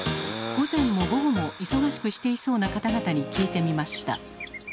午前も午後も忙しくしていそうな方々に聞いてみました。